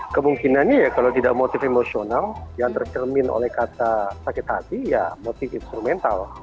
kemungkinannya ya kalau tidak motif emosional yang tercermin oleh kata sakit hati ya motif instrumental